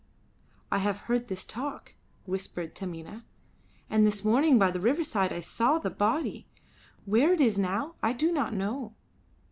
"I have heard this talk," whispered Taminah; "and this morning by the riverside I saw the body. Where it is now I do not know."